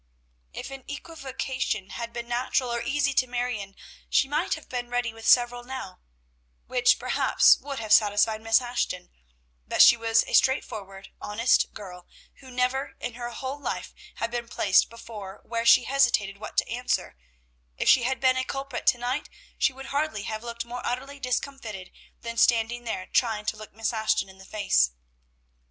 If an equivocation had been natural or easy to Marion, she might have been ready with several now, which perhaps would have satisfied Miss Ashton; but she was a straightforward, honest girl, who never in her whole life had been placed before where she hesitated what to answer; if she had been a culprit to night, she would hardly have looked more utterly discomfited than standing there trying to look Miss Ashton in the face.